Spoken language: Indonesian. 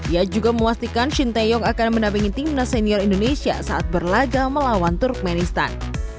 ia juga memastikan shin taeyong akan menampingi timnas senior indonesia saat berlaga melawan turkmenistan